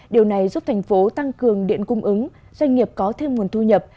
điều này giúp thành phố tăng cường điện cung ứng doanh nghiệp có thêm nguồn thu nhập